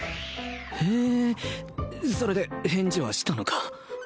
へえーそれで返事はしたのか？